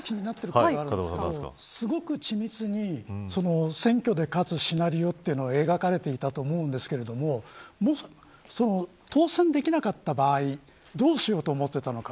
ひとつ気になってるんですがすごく緻密に選挙に勝つシナリオを描かれていたと思うんですが当選できなかった場合はどうしようと思っていたんですか。